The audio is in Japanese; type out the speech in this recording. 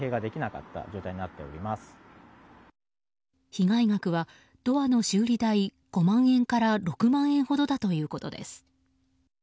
被害額はドアの修理代５万円から６万円ほどだということです。